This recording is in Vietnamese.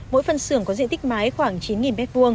mỗi phân sường có diện tích máy khoảng chín m hai